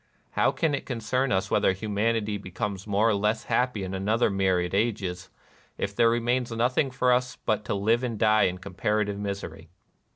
How can it con cern us whether humanity become more or less happy in another myriad ages, if there remains nothing for us but to live and die NIRVANA 231 in comparative misery